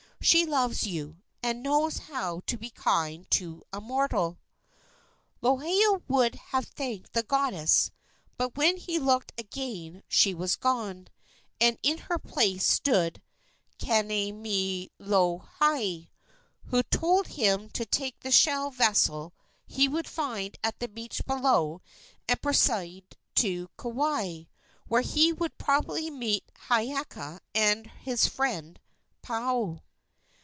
She loves you, and knows how to be kind to a mortal." Lohiau would have thanked the goddess, but when he looked again she was gone, and in her place stood Kanemilohai, who told him to take the shell vessel he would find at the beach below, and proceed to Kauai, where he would probably meet Hiiaka and his friend Paoa.